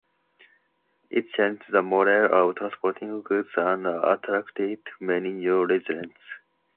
It changed the mode of transporting goods, and attracted many new residents.